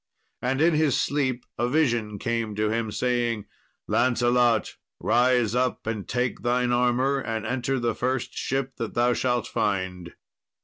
And in his sleep a vision came to him saying, "Lancelot, rise up and take thine armour, and enter the first ship that thou shalt find."